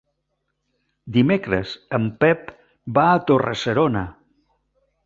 Dimecres en Pep va a Torre-serona.